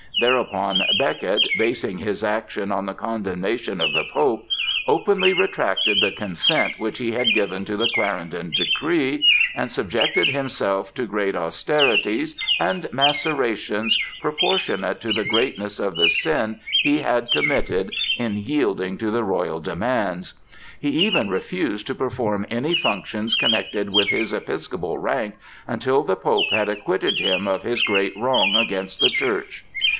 Thereupon Becket, basing his action on the condemnation of the Pope, openly retracted the consent which he had given to the Clarendon decree, and subjected himself to great austerities and macerations proportionate to the greatness of the sin he had committed in yielding to the royal demands. He even refused to perform any functions connected with his episcopal rank until the Pope had acquitted him of his great wrong against the Church.